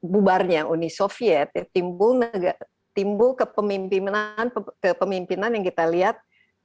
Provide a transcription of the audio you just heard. bubarnya uni soviet timbul kepemimpinan yang kita lihat